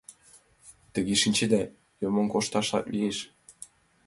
Тыге, шинчеда, йомын кошташат лиеш.